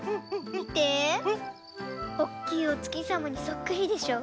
みておっきいおつきさまにそっくりでしょ？